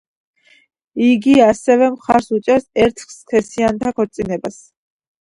იგი ასევე მხარს უჭერს ერთსქესიანთა ქორწინებას.